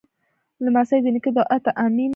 لمسی د نیکه دعا ته “امین” وایي.